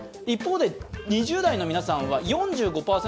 ２０代の皆さんは４５％。